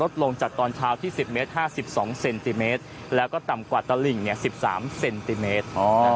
ลดลงจากตอนเช้าที่สิบเมตรห้าสิบสองเซนติเมตรแล้วก็ต่ำกว่าตะลิ่งเนี่ยสิบสามเซนติเมตร